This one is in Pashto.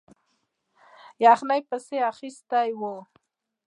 یخنۍ پسې اخیستی وو.